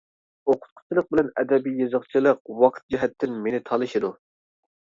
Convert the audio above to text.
ئوقۇتقۇچىلىق بىلەن ئەدەبىي يېزىقچىلىق ۋاقىت جەھەتتىن مېنى تالىشىدۇ.